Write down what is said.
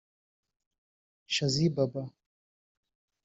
Chazi Baba